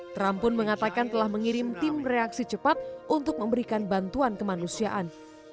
trump pun mengatakan telah mengirim tim reaksi cepat untuk memberikan bantuan kemanusiaan